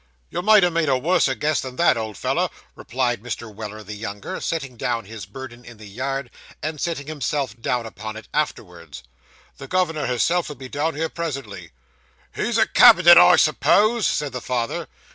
'You might ha' made a worser guess than that, old feller,' replied Mr. Weller the younger, setting down his burden in the yard, and sitting himself down upon it afterwards. 'The governor hisself'll be down here presently.' 'He's a cabbin' it, I suppose?' said the father.